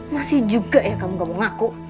masih juga ya kamu gak mau ngaku